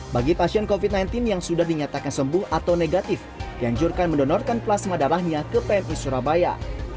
bagi pasien covid sembilan belas yang sudah dinyatakan sembuh atau negatif dianjurkan mendonorkan plasma darahnya ke pmi surabaya